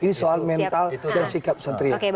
ini soal mental dan sikap satria